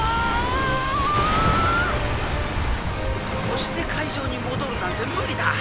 「押して海上に戻るなんて無理だ！